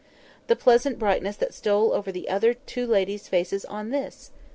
The pleasant brightness that stole over the other two ladies' faces on this!